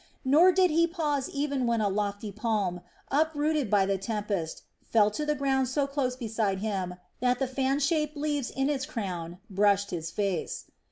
Nor did he pause even when a lofty palm, uprooted by the tempest, fell to the ground so close beside him that the fan shaped leaves in its crown brushed his face.